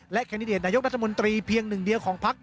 แคนดิเดตนายกรัฐมนตรีเพียงหนึ่งเดียวของพัก